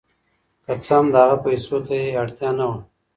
که څه هم د هغه پیسو ته یې اړتیا نه وه.